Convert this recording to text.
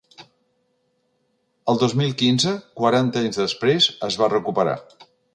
El dos mil quinze, quaranta anys després, es va recuperar.